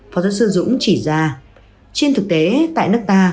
phó giáo sư dũng chỉ ra trên thực tế tại nước ta